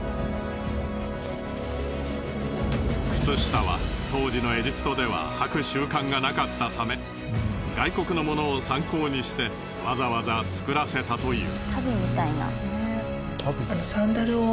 靴下は当時のエジプトでははく習慣がなかったため外国のものを参考にしてわざわざ作らせたという。